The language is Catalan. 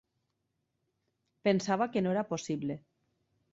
Pensava que no era possible.